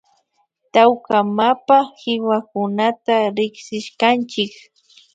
Tawka mapa kiwakunata rikshishkanchik